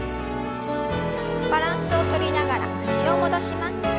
バランスをとりながら脚を戻します。